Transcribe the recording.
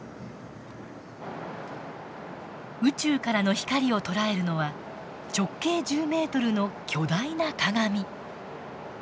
宇宙からの光を捉えるのは直径１０ｍの巨大な鏡。